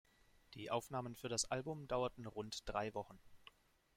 Die Aufnahmen für das Album dauerten rund drei Wochen.